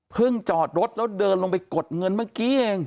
จอดรถแล้วเดินลงไปกดเงินเมื่อกี้เอง